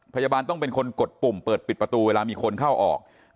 พยาบาลต้องเป็นคนกดปุ่มเปิดปิดประตูเวลามีคนเข้าออก